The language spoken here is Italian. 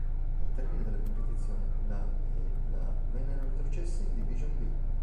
Al termine della competizione la e la vennero retrocesse in "Division B".